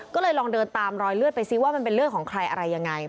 ก็เลยลองเดินตามรอยเลือดไปซิว่ามันเป็นเลือดของใครอะไรยังไง